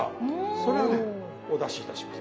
それをねお出しいたします。